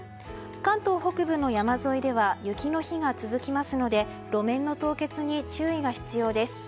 関東北部の山沿いでは雪の日が続きますので路面の凍結に注意が必要です。